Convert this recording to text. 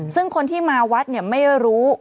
ซึ่งคนที่มาวัดเนี่ยไม่รู้